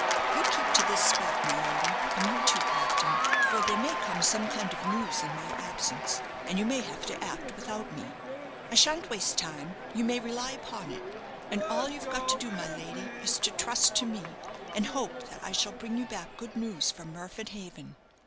You keep to this spot, my lady, and you, too, captain; for there may come some kind of news in my absence, and you may have to act without me. I shan't waste time, you may rely upon it; and all you've got to do, my lady, is to trust to me, and hope that I shall bring you back good news from Murford Haven."